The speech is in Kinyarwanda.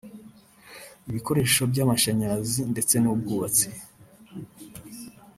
ibikoresho by’amashyarazi ndetse n’ubwubatsi